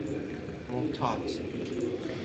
محتاط